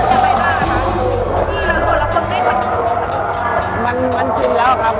เอาแน่นอนไม่ได้ขับ